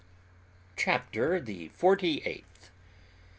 CHAPTER THE FORTY EIGHTH.